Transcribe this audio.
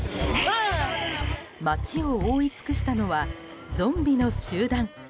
街を覆い尽くしたのはゾンビの集団。